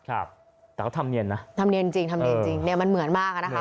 แต่เขาทำเนียนนะทำเนียนจริงเนี่ยมันเหมือนมากอะนะคะ